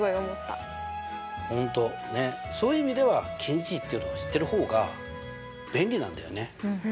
本当ねっそういう意味では近似値っていうのを知ってる方が便利なんだよね。